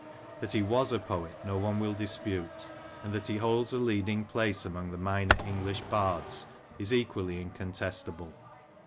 That he was a poet no one will dispute, and that he holds a leading place amongst the minor English bards is equally incontestable.